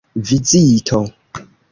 vizito